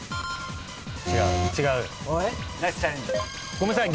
ごめんなさい。